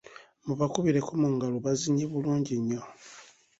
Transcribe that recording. Mubakubireko mu ngalo bazinye bulungi nnyo.